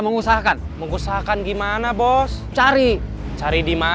kok kamu sendiri nggak pakai kerudung